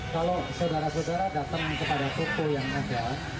kalau saudara saudara datang kepada toko yang ada